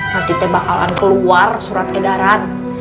nanti teh bakalan keluar surat edaran